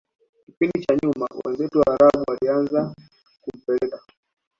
kipindi cha nyuma wenzetu waarabu walianza kumpeleka